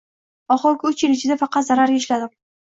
Oxirgi uch yil ichida faqat zarariga ishladim